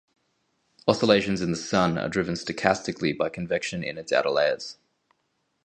Oscillations in the Sun are driven stochastically by convection in its outer layers.